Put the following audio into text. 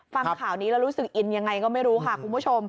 ฟังข่าวนี้แล้วรู้สึกอินยังไงก็ไม่รู้ค่ะคุณผู้ชม